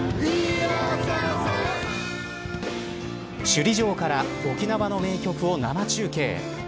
首里城から沖縄の名曲を生中継。